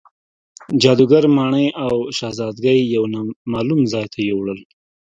جادوګر ماڼۍ او شهزادګۍ یو نامعلوم ځای ته یووړل.